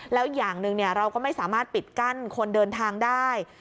แล้วอย่างหนึ่งเราก็ไม่สามารถปิดกั้นคนเดินทางได้